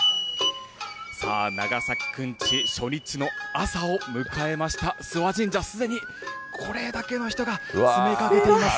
さあ、長崎くんち、初日の朝を迎えました、諏訪神社、すでにこれだけの人が詰めかけています。